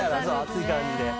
熱い感じで。